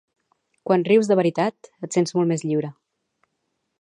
Quan rius de veritat, et sents molt més lliure.